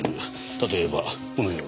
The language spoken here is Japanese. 例えばこのように。